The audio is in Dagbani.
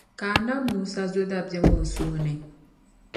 Ka Annabi Musa zo dabiεm o suhi ni.